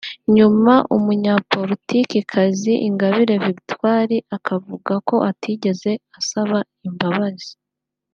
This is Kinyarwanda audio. nyuma umunyapolitikikazi Ingabire Victoire akavuga ko atigeze asaba imbabazi